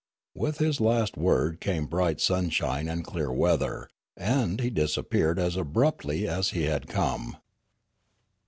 With his last word came bright sun shine and clear weather ; and he disappeared as abruptly as he had come.